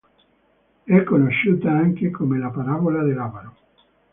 È conosciuta anche come la parabola dell'avaro.